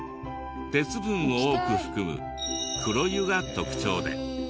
鉄分を多く含む黒湯が特徴で。